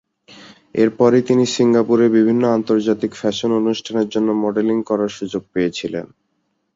এর পরেই তিনি সিঙ্গাপুরে বিভিন্ন আন্তর্জাতিক ফ্যাশন অনুষ্ঠানের জন্য মডেলিং করার সুযোগ পেয়েছিলেন।